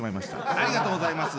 ありがとうございます。